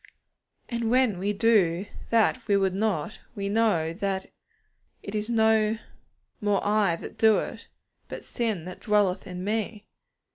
And when we do that we would not, we know that 'it is no more I that do it, but sin that dwelleth in me.'